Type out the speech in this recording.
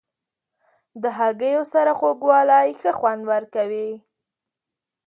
د هګیو سره خوږوالی ښه خوند ورکوي.